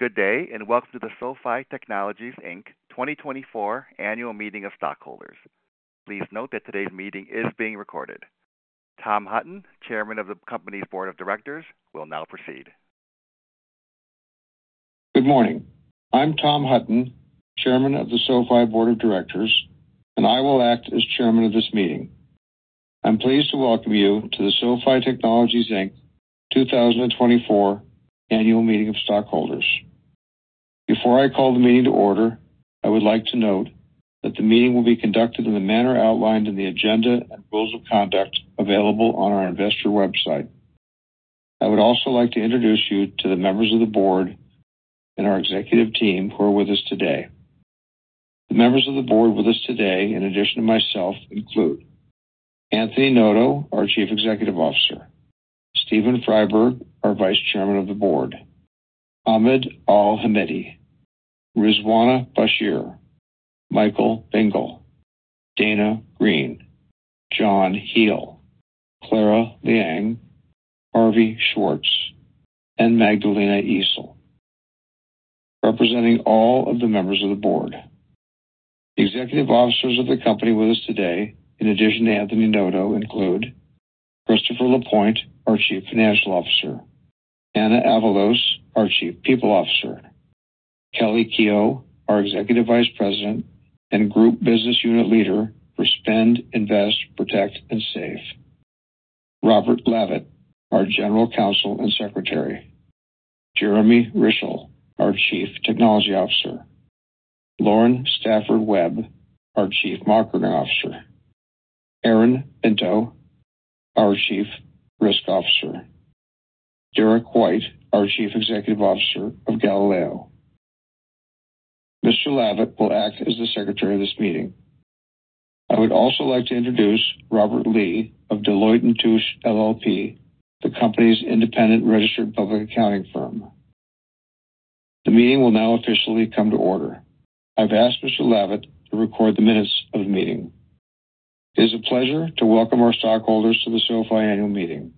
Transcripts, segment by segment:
Good day, and welcome to the SoFi Technologies, Inc. 2024 Annual Meeting of Stockholders. Please note that today's meeting is being recorded. Tom Hutton, Chairman of the company's board of directors, will now proceed. Good morning. I'm Tom Hutton, Chairman of the SoFi Board of Directors, and I will act as Chairman of this meeting. I'm pleased to welcome you to the SoFi Technologies, Inc. 2024 Annual Meeting of Stockholders. Before I call the meeting to order, I would like to note that the meeting will be conducted in the manner outlined in the agenda and rules of conduct available on our investor website. I would also like to introduce you to the members of the board and our executive team who are with us today. The members of the board with us today, in addition to myself, include Anthony Noto, our Chief Executive Officer, Steven Freiberg, our Vice Chairman of the Board, Ahmed Al-Hammadi, Ruzwana Bashir, Michael Bingle, Dana Green, John Hele, Clara Liang, Harvey Schwartz, and Magdalena Yeşil, representing all of the members of the board. The executive officers of the company with us today, in addition to Anthony Noto, include Christopher Lapointe, our Chief Financial Officer, Anna Avalos, our Chief People Officer, Kelli Keough, our Executive Vice President and Group Business Unit Leader for Spend, Invest, Protect, and Save, Rob Lavet, our General Counsel and Secretary, Jeremy Rishel, our Chief Technology Officer, Lauren Stafford Webb, our Chief Marketing Officer, Arun Pinto, our Chief Risk Officer, Derek White, our Chief Executive Officer of Galileo. Mr. Lavet will act as the secretary of this meeting. I would also like to introduce Robert Lee of Deloitte & Touche, LLP, the company's independent registered public accounting firm. The meeting will now officially come to order. I've asked Mr. Lavet to record the minutes of the meeting. It is a pleasure to welcome our stockholders to the SoFi Annual Meeting.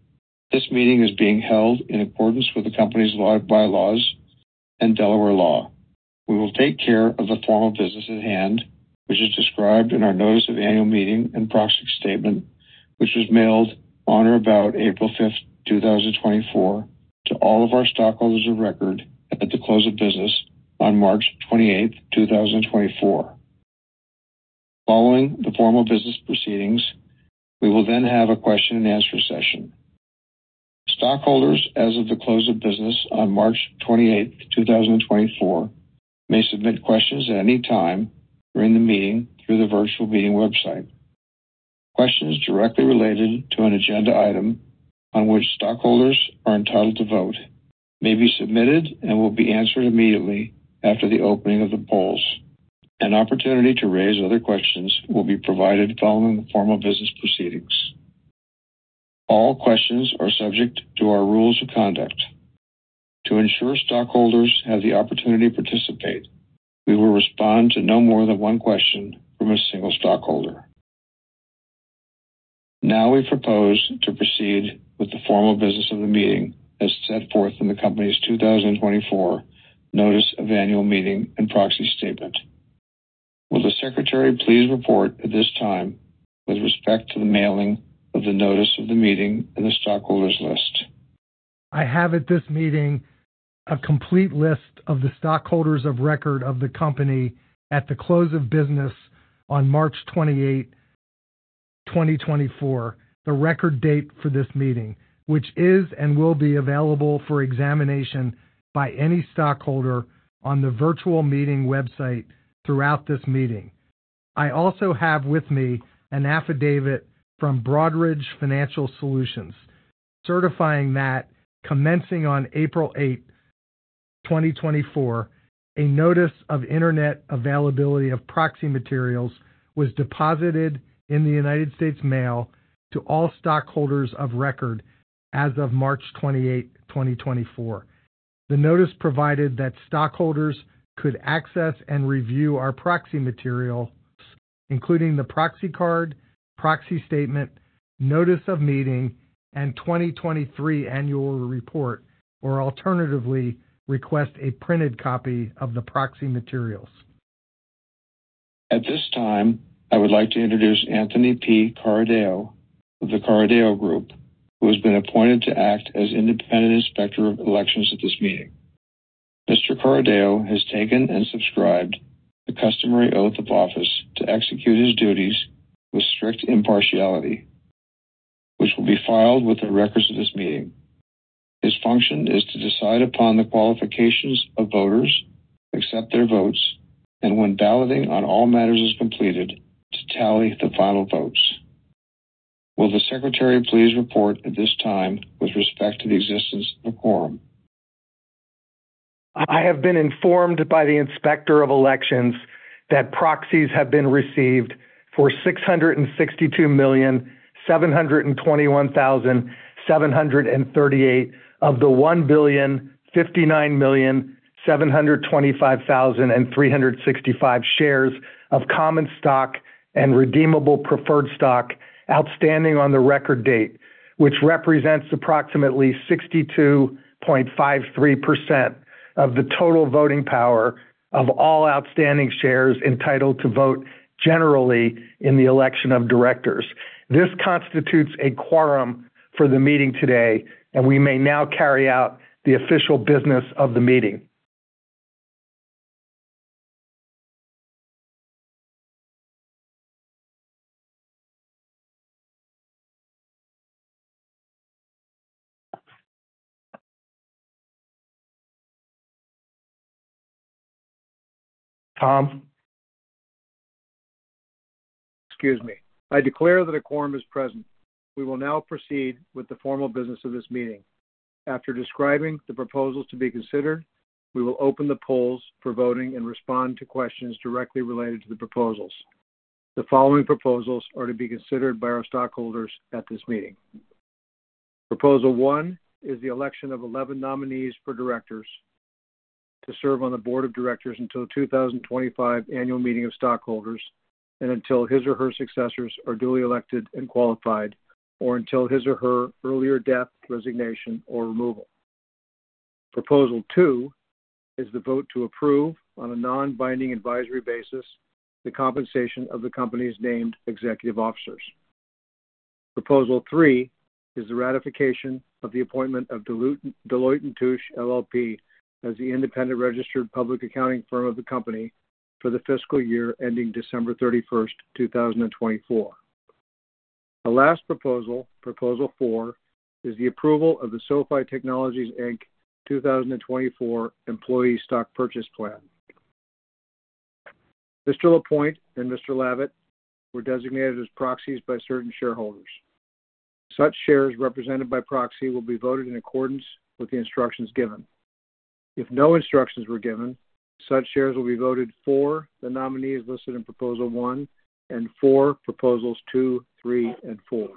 This meeting is being held in accordance with the company's law, bylaws, and Delaware law. We will take care of the formal business at hand, which is described in our notice of annual meeting and proxy statement, which was mailed on or about April 5th, 2024, to all of our stockholders of record at the close of business on March 28th, 2024. Following the formal business proceedings, we will then have a question-and-answer session. Stockholders, as of the close of business on March 28th, 2024, may submit questions at any time during the meeting through the virtual meeting website. Questions directly related to an agenda item on which stockholders are entitled to vote may be submitted and will be answered immediately after the opening of the polls. An opportunity to raise other questions will be provided following the formal business proceedings. All questions are subject to our rules of conduct. To ensure stockholders have the opportunity to participate, we will respond to no more than one question from a single stockholder. Now, we propose to proceed with the formal business of the meeting as set forth in the company's 2024 notice of annual meeting and proxy statement. Will the secretary please report at this time with respect to the mailing of the notice of the meeting and the stockholders list? I have at this meeting a complete list of the stockholders of record of the company at the close of business on March 28th, 2024, the record date for this meeting, which is and will be available for examination by any stockholder on the virtual meeting website throughout this meeting. I also have with me an affidavit from Broadridge Financial Solutions, certifying that commencing on April 8th, 2024, a notice of internet availability of proxy materials was deposited in the United States Mail to all stockholders of record as of March 28th, 2024. The notice provided that stockholders could access and review our proxy material, including the proxy card, proxy statement, notice of meeting, and 2023 annual report, or alternatively, request a printed copy of the proxy materials. At this time, I would like to introduce Anthony Carideo of The Carideo Group, who has been appointed to act as independent inspector of elections at this meeting. Mr. Carideo has taken and subscribed the customary oath of office to execute his duties with strict impartiality, which will be filed with the records of this meeting. His function is to decide upon the qualifications of voters, accept their votes, and when balloting on all matters is completed, to tally the final votes. Will the secretary please report at this time with respect to the existence of a quorum? I have been informed by the Inspector of Elections that proxies have been received for 662,721,738 of the 1,059,725,365 shares of common stock and redeemable preferred stock outstanding on the record date, which represents approximately 62.53% of the total voting power of all outstanding shares entitled to vote generally in the election of directors. This constitutes a quorum for the meeting today, and we may now carry out the official business of the meeting. Tom? Excuse me. I declare that a quorum is present. We will now proceed with the formal business of this meeting. After describing the proposals to be considered, we will open the polls for voting and respond to questions directly related to the proposals. The following proposals are to be considered by our stockholders at this meeting. Proposal 1 is the election of 11 nominees for directors to serve on the board of directors until 2025 annual meeting of stockholders, and until his or her successors are duly elected and qualified, or until his or her earlier death, resignation, or removal. Proposal 2 is the vote to approve on a non-binding advisory basis, the compensation of the company's named executive officers. Proposal 3 is the ratification of the appointment of Deloitte & Touche, LLP, as the independent registered public accounting firm of the company for the fiscal year ending December 31, 2024. The last proposal, Proposal 4, is the approval of the SoFi Technologies Inc. 2024 Employee Stock Purchase Plan. Mr. Lapointe and Mr. Lavet were designated as proxies by certain shareholders. Such shares represented by proxy will be voted in accordance with the instructions given. If no instructions were given, such shares will be voted for the nominees listed in Proposal 1 and for Proposals 2, 3, and 4.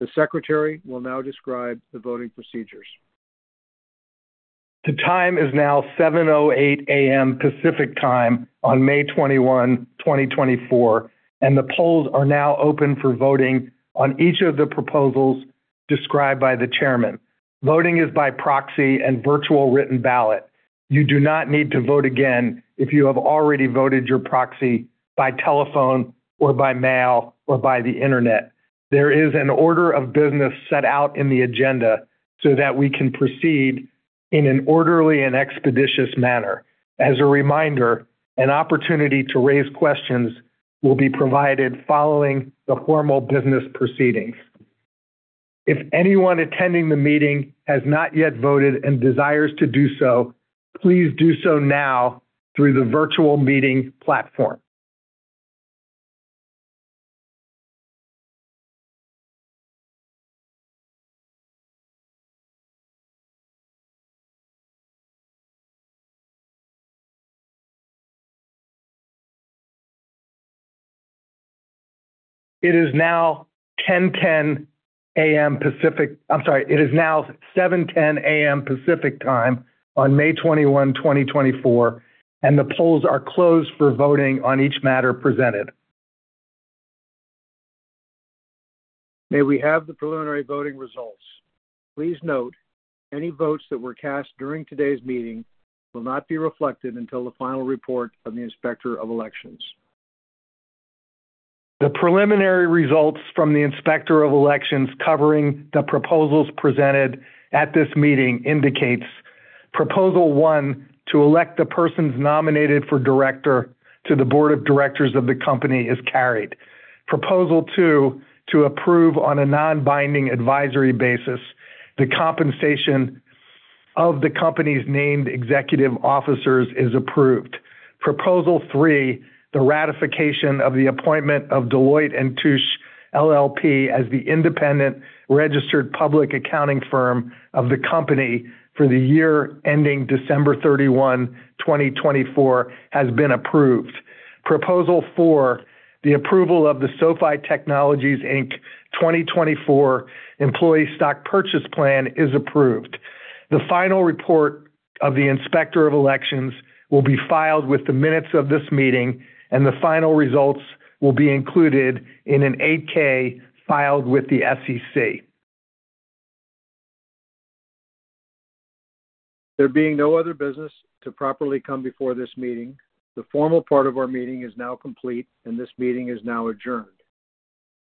The secretary will now describe the voting procedures. The time is now 7:00 A.M. Pacific Time on May 21, 2024, and the polls are now open for voting on each of the proposals described by the chairman. Voting is by proxy and virtual written ballot. You do not need to vote again if you have already voted your proxy by telephone, or by mail, or by the internet. There is an order of business set out in the agenda so that we can proceed in an orderly and expeditious manner. As a reminder, an opportunity to raise questions will be provided following the formal business proceedings. If anyone attending the meeting has not yet voted and desires to do so, please do so now through the virtual meeting platform. It is now 10:10 A.M. Pacific. I'm sorry, it is now 7:10 A.M. Pacific Time on May 21, 2024, and the polls are closed for voting on each matter presented. May we have the preliminary voting results? Please note any votes that were cast during today's meeting will not be reflected until the final report of the Inspector of Elections. The preliminary results from the Inspector of Elections covering the proposals presented at this meeting indicates proposal 1, to elect the persons nominated for director to the board of directors of the company, is carried. Proposal 2, to approve on a non-binding advisory basis, the compensation of the company's named executive officers, is approved. Proposal 3, the ratification of the appointment of Deloitte & Touche, LLP, as the independent registered public accounting firm of the company for the year ending December 31, 2024, has been approved. Proposal 4, the approval of the SoFi Technologies, Inc. 2024 Employee Stock Purchase Plan, is approved. The final report of the Inspector of Elections will be filed with the minutes of this meeting, and the final results will be included in an 8-K filed with the SEC. There being no other business to properly come before this meeting, the formal part of our meeting is now complete, and this meeting is now adjourned.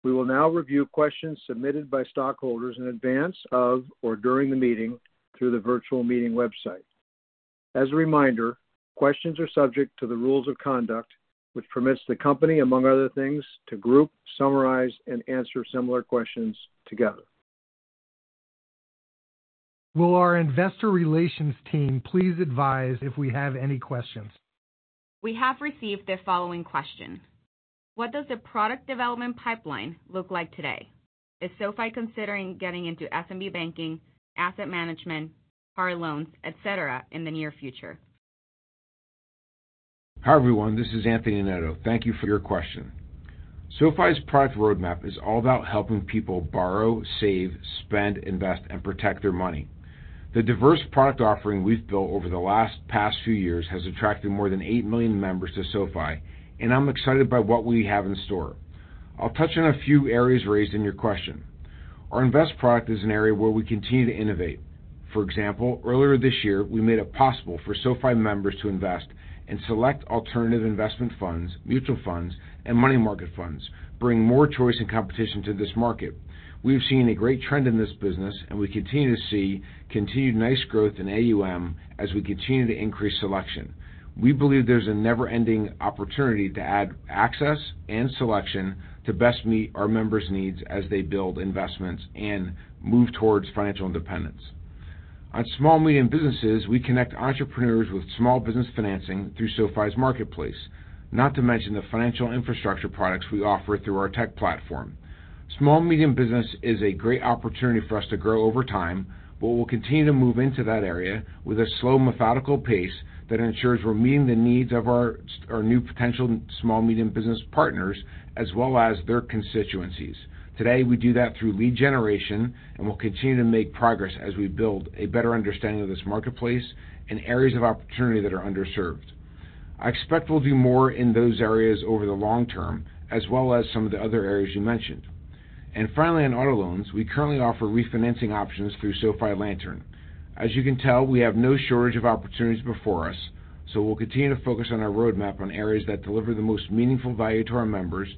We will now review questions submitted by stockholders in advance of or during the meeting through the virtual meeting website. As a reminder, questions are subject to the rules of conduct, which permits the company, among other things, to group, summarize, and answer similar questions together. Will our investor relations team please advise if we have any questions? We have received the following question: What does the product development pipeline look like today? Is SoFi considering getting into SMB banking, asset management, car loans, et cetera, in the near future? ... Hi, everyone. This is Anthony Noto. Thank you for your question. SoFi's product roadmap is all about helping people borrow, save, spend, invest, and protect their money. The diverse product offering we've built over the last past few years has attracted more than 8 million members to SoFi, and I'm excited by what we have in store. I'll touch on a few areas raised in your question. Our invest product is an area where we continue to innovate. For example, earlier this year, we made it possible for SoFi members to invest in select alternative investment funds, mutual funds, and money market funds, bringing more choice and competition to this market. We've seen a great trend in this business, and we continue to see continued nice growth in AUM as we continue to increase selection. We believe there's a never-ending opportunity to add access and selection to best meet our members' needs as they build investments and move towards financial independence. On small, medium businesses, we connect entrepreneurs with small business financing through SoFi's marketplace, not to mention the financial infrastructure products we offer through our tech platform. Small, medium business is a great opportunity for us to grow over time, but we'll continue to move into that area with a slow, methodical pace that ensures we're meeting the needs of our, our new potential small, medium business partners as well as their constituencies. Today, we do that through lead generation, and we'll continue to make progress as we build a better understanding of this marketplace and areas of opportunity that are underserved. I expect we'll do more in those areas over the long term, as well as some of the other areas you mentioned. And finally, on auto loans, we currently offer refinancing options through SoFi Lantern. As you can tell, we have no shortage of opportunities before us, so we'll continue to focus on our roadmap on areas that deliver the most meaningful value to our members,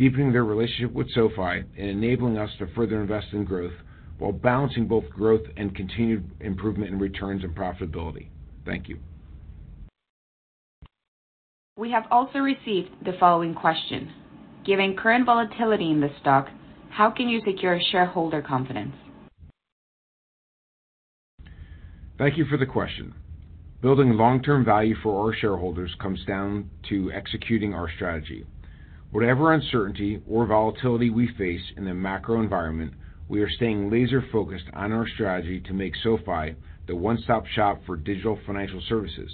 deepening their relationship with SoFi and enabling us to further invest in growth while balancing both growth and continued improvement in returns and profitability. Thank you. We have also received the following question: Given current volatility in the stock, how can you secure shareholder confidence? Thank you for the question. Building long-term value for our shareholders comes down to executing our strategy. Whatever uncertainty or volatility we face in the macro environment, we are staying laser-focused on our strategy to make SoFi the one-stop-shop for digital financial services.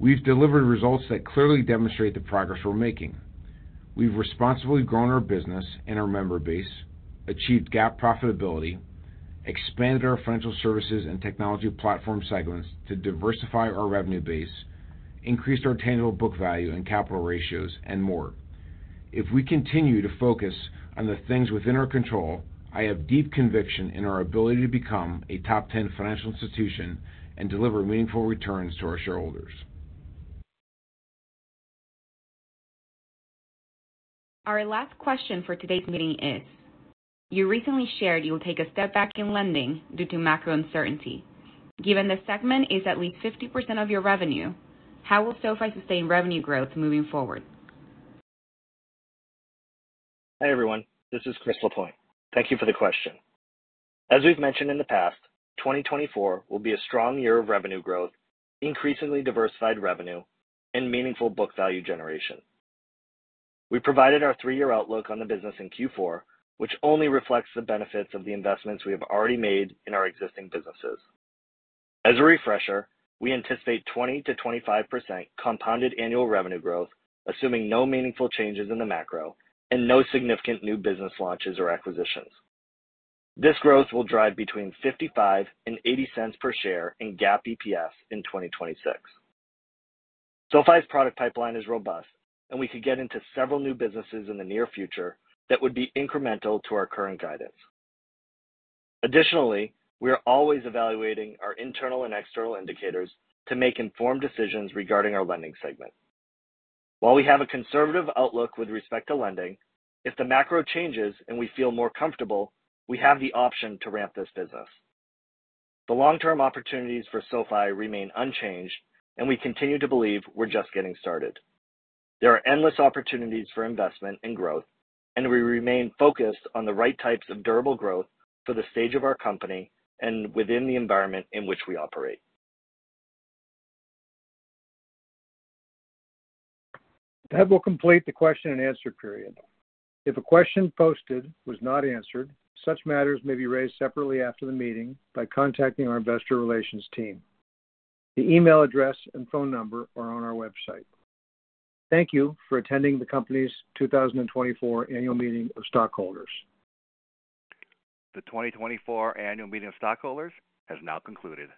We've delivered results that clearly demonstrate the progress we're making. We've responsibly grown our business and our member base, achieved GAAP profitability, expanded our financial services and technology platform segments to diversify our revenue base, increased our tangible book value and capital ratios, and more. If we continue to focus on the things within our control, I have deep conviction in our ability to become a top 10 financial institution and deliver meaningful returns to our shareholders. Our last question for today's meeting is: You recently shared you will take a step back in lending due to macro uncertainty. Given this segment is at least 50% of your revenue, how will SoFi sustain revenue growth moving forward? Hi, everyone. This is Chris Lapointe. Thank you for the question. As we've mentioned in the past, 2024 will be a strong year of revenue growth, increasingly diversified revenue, and meaningful book value generation. We provided our three-year outlook on the business in Q4, which only reflects the benefits of the investments we have already made in our existing businesses. As a refresher, we anticipate 20%-25% compounded annual revenue growth, assuming no meaningful changes in the macro and no significant new business launches or acquisitions. This growth will drive between 55 and 80 cents per share in GAAP EPS in 2026. SoFi's product pipeline is robust, and we could get into several new businesses in the near future that would be incremental to our current guidance. Additionally, we are always evaluating our internal and external indicators to make informed decisions regarding our lending segment. While we have a conservative outlook with respect to lending, if the macro changes and we feel more comfortable, we have the option to ramp this business. The long-term opportunities for SoFi remain unchanged, and we continue to believe we're just getting started. There are endless opportunities for investment and growth, and we remain focused on the right types of durable growth for the stage of our company and within the environment in which we operate. That will complete the question-and-answer period. If a question posted was not answered, such matters may be raised separately after the meeting by contacting our investor relations team. The email address and phone number are on our website. Thank you for attending the company's 2024 annual meeting of stockholders. The 2024 annual meeting of stockholders has now concluded.